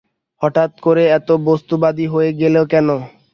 হঠাৎ করে এত বস্তুবাদী হয়ে গেলে কেন?